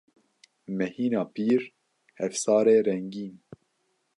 Mehîna pîr, hefsarê rengîn.